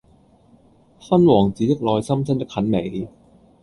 勳王子的內心真的很美